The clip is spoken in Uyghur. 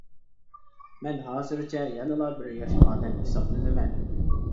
مەن ھازىرچە يەنىلا بىر ياش ئادەم ھېسابلىنىمەن.